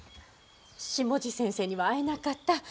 下地先生には会えなかった。